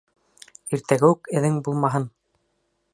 Иртәгә үк әҙең булмаһын!